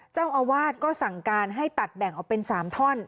เจ้าอาวาสก็สั่งการให้ตัดแบ่งออกเป็น๓ท่อน